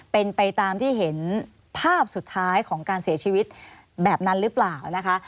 เป็นไปตามที่เห็นภาพสุดท้ายของการเสียชีวิตแบบนั้นหรือเปล่านะคะ